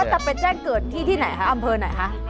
จะไปแจ้งเกิดที่ที่ไหนคะอำเภอไหนคะ